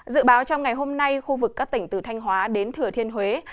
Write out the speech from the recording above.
dự báo trong ngày hôm nay khu vực các tỉnh từ thanh hóa đến thừa thiên huế